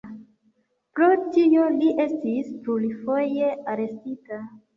Pro tio li estis plurfoje arestita.